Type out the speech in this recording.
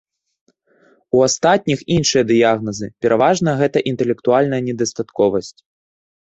У астатніх іншыя дыягназы, пераважна, гэта інтэлектуальная недастатковасць.